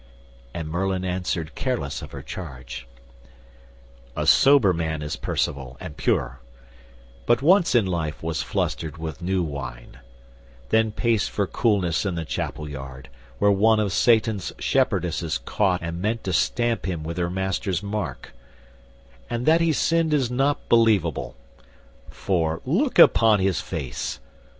And Merlin answered careless of her charge, "A sober man is Percivale and pure; But once in life was flustered with new wine, Then paced for coolness in the chapel yard; Where one of Satan's shepherdesses caught And meant to stamp him with her master's mark; And that he sinned is not believable; For, look upon his face!